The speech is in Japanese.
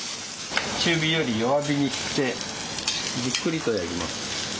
中火より弱火にしてじっくりとやります。